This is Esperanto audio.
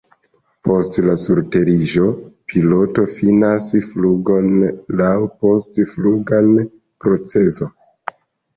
Post la surteriĝo, piloto finas flugon laŭ post-fluga procezo.